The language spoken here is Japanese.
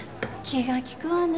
気が利くわね。